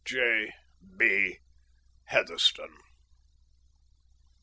"J. B. HEATHERSTONE."